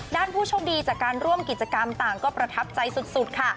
ผู้โชคดีจากการร่วมกิจกรรมต่างก็ประทับใจสุดค่ะ